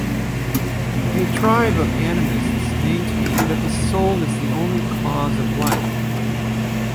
A tribe of animists maintained that the soul is the only cause of life.